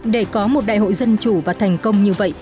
để có một đại hội dân chủ và thành công như vậy